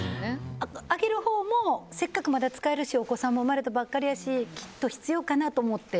あげるほうもせっかくまだ使えるしお子さんも生まれたばかりやしきっと必要かなと思って。